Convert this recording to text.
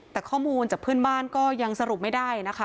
แต่ข้อมูลจากเพื่อนบ้านก็ยังสรุปไม่ได้นะคะ